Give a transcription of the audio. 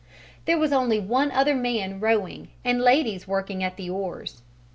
There was only one other man rowing and ladies worked at the oars.